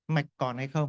mạch còn hay không